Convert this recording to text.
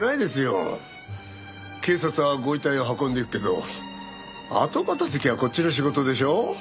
警察はご遺体は運んでいくけど後片付けはこっちの仕事でしょ。